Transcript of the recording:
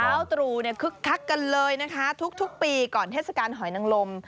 ชาวตรูคึกคักกันเลยนะคะทุกปีก่อนเทศกาลหอยนังรม